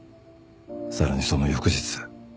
さらにその翌日